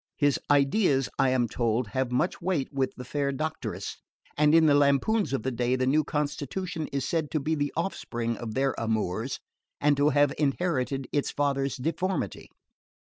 His ideas, I am told, have much weight with the fair doctoress; and in the lampoons of the day the new constitution is said to be the offspring of their amours, and to have inherited its father's deformity.